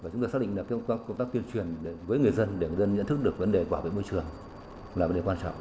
chúng tôi xác định là công tác tuyên truyền với người dân để người dân nhận thức được vấn đề quả về môi trường là vấn đề quan trọng